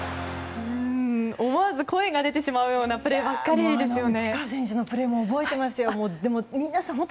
思わず声が出てしまうようなプレーばっかりですよね。